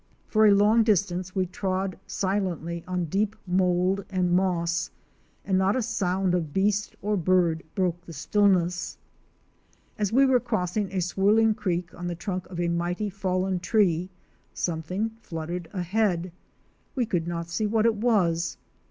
For a long distance we trod silently on deep mould and moss, and not a sound of beast or bird broke the stillness As we crossed a swirling creek on the trunk of a mighty fallen tree, something fluttered ahead. We could not see what it was.